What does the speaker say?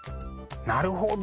なるほど。